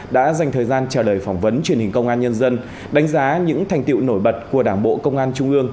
đã dành thời gian trả lời phỏng vấn truyền hình công an nhân dân đánh giá những thành tiệu nổi bật của đảng bộ công an trung ương